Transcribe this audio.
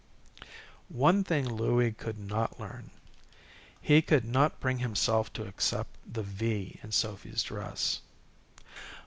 One thing Louie could not learn. He could not bring himself to accept the V in Sophy's dress.